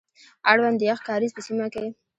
اړوند د يخ کاريز په سيمه کي،